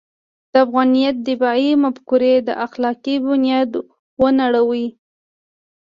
د افغانیت دفاعي مفکورې اخلاقي بنیاد ونړوي.